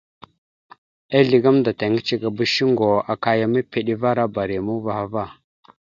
Ezle gamənda tiŋgəcekaba shuŋgo aka ya mepeɗevara barima uvah ava.